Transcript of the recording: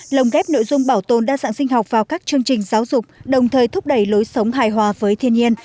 lồng ghép nội dung bảo tồn đa dạng sinh học vào các chương trình giáo dục đồng thời thúc đẩy lối sống hài hòa với thiên nhiên